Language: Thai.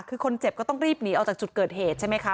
คือคนเจ็บก็ต้องรีบหนีออกจากจุดเกิดเหตุใช่ไหมคะ